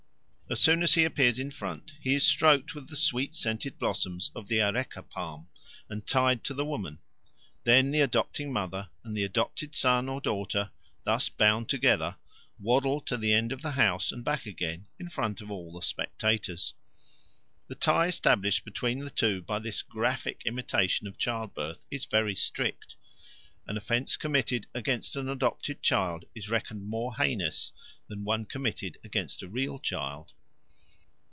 As soon as he appears in front he is stroked with the sweet scented blossoms of the areca palm and tied to a woman. Then the adopting mother and the adopted son or daughter, thus bound together, waddle to the end of the house and back again in front of all the spectators. The tie established between the two by this graphic imitation of childbirth is very strict; an offence committed against an adopted child is reckoned more heinous than one committed against a real child.